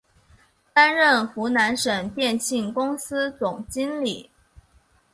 担任湖南省电信公司总经理。